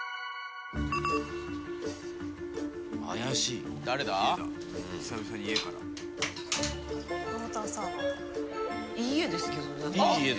いい家ですけどね。